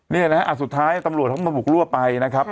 นี่นะฮะสุดท้ายตำรวจเขาก็มาบุกรั่วไปนะครับ